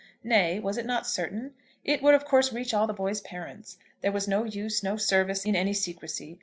Nay; was it not certain? It would of course reach all the boys' parents. There was no use, no service, in any secrecy.